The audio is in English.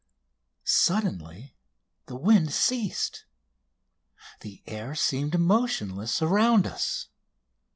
Suddenly the wind ceased. The air seemed motionless around us.